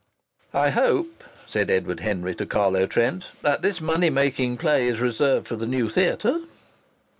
"I hope," said Edward Henry to Carlo Trent, "that this money making play is reserved for the new theatre?"